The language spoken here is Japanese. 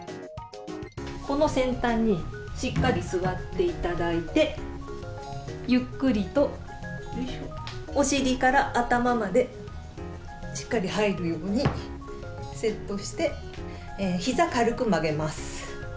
この先端にしっかり座っていただいて、ゆっくりとお尻から頭まで、しっかり入るようにセットして、ひざ、軽く曲げます。